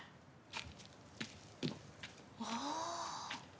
ああ。